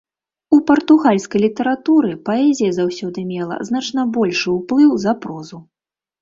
У партугальскай літаратуры паэзія заўсёды мела значна большы ўплыў за прозу.